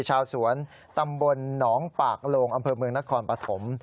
ชาวสวนตำบลหนองปากโลงอำเภอเมืองนครปฐม